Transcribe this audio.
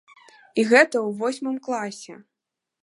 І гэта ў восьмым класе!